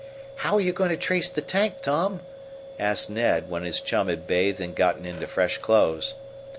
"How are you going to trace the tank, Tom?" asked Ned, when his chum had bathed and gotten into fresh clothes.